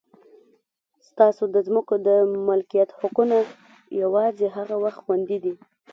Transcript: ستاسو د ځمکو د مالکیت حقونه یوازې هغه وخت خوندي دي.